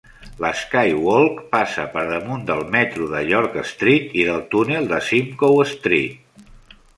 L'SkyWalk passa per damunt del metro de York Street i del túnel de Simcoe Street.